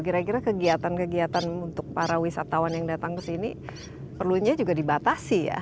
kira kira kegiatan kegiatan untuk para wisatawan yang datang ke sini perlunya juga dibatasi ya